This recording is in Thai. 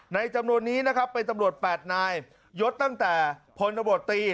จำนวนนี้นะครับเป็นตำรวจ๘นายยดตั้งแต่พลตำรวจตี